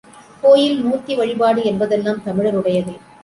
கோயில், மூர்த்தி வழிபாடு என்பதெல்லாம் தமிழருடையதே.